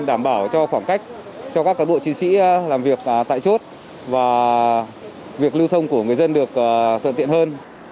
đảm bảo cho khoảng cách cho các cán bộ chiến sĩ làm việc tại chốt và việc lưu thông của người dân được thuận tiện hơn